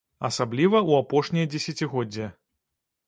Асабліва ў апошняе дзесяцігоддзе.